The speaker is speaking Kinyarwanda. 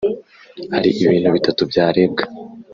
Hari ibintu bitatu byarebwe